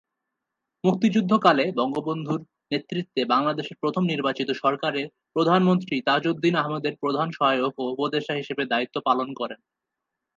মুক্তিযুদ্ধকালে বঙ্গবন্ধুর নেতৃত্বে বাংলাদেশের প্রথম নির্বাচিত সরকারের প্রধানমন্ত্রী তাজউদ্দীন আহমদের প্রধান সহায়ক ও উপদেষ্টা হিসেবে দায়িত্ব পালন করেন।